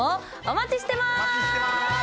お待ちしてます。